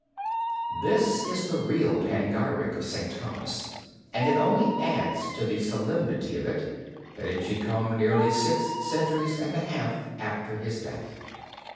This is the real panegyric of St. Thomas, and it only adds to the sublimity of it that it should come nearly six centuries and a half after his death.